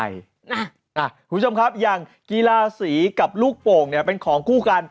คุณผู้ชมครับอย่างกีฬาสีกับลูกโป่งเนี่ยเป็นของคู่กัน